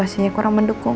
selamat ulang tahun